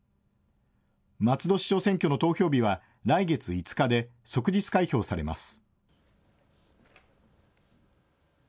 松戸市長選挙の投票日は来月５日で即日開票されます。